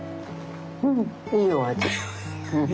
うんいいお味。